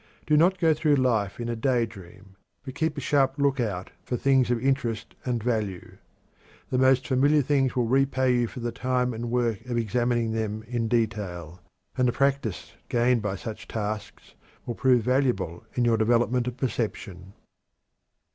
Do not go through life in a daydream, but keep a sharp lookout for things of interest and value. The most familiar things will repay you for the time and work of examining them in detail, and the practice gained by such tasks will prove valuable in your development of perception.